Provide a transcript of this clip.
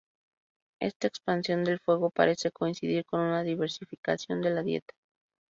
Esta expansión del fuego parece coincidir con una diversificación de la dieta.